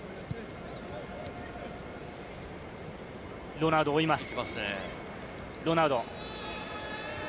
ロナウドが追います。